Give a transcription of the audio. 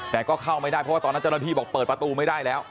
แต่ก็เข้าไม่ได้เพราะว่าตอนนั้นเจ้าหน้าที่บอกเปิดประตูไม่ได้แล้ว